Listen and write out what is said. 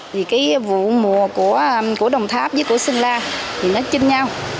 vì cái vụ mùa của đồng tháp với của sơn la thì nó chênh nhau